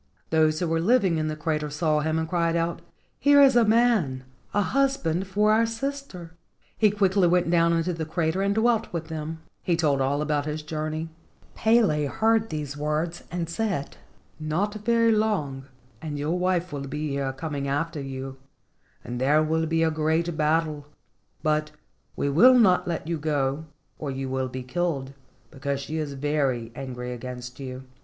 Those who were living in the crater saw him, and cried out, "Here is a man, a hus¬ band for our sister." He quickly went down PUNA AND THE DRAGON *57 into the crater and dwelt with them. He told all about his journey. Pele heard these words, and said: "Not very long and your wife will be here coming after you, and there will be a great battle, but we will not let you go or you will be killed, because she is very angry against you.